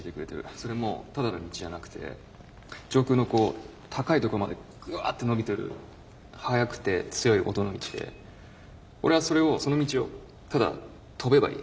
それもただの道じゃなくて上空のこう高いところまでグワッて伸びてる速くて強い音の道で俺はそれをその道をただ飛べばいい。